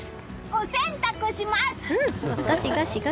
お洗濯します！